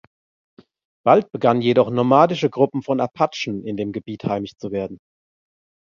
Bald begannen jedoch nomadische Gruppen von Apachen in dem Gebiet heimisch zu werden.